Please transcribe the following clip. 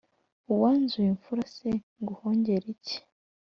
uwanyuze imfura se nguhongere iki ?